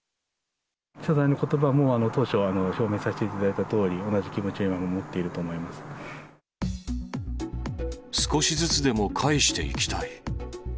謝罪のことばも当初、表明させていただいたとおり、同じ気持少しずつでも返していきたい。